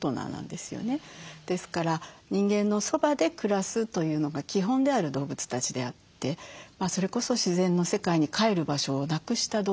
ですから人間のそばで暮らすというのが基本である動物たちであってそれこそ自然の世界にかえる場所をなくした動物なんです。